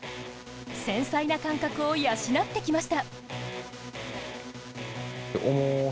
繊細な感覚を養ってきました。